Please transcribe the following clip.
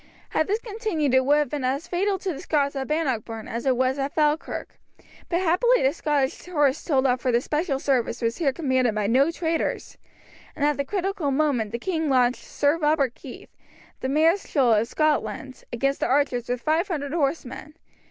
Had this continued it would have been as fatal to the Scots at Bannockburn as it was at Falkirk; but happily the Scottish horse told off for this special service were here commanded by no traitors, and at the critical moment the king launched Sir Robert Keith, the mareschal of Scotland, against the archers with 500 horsemen.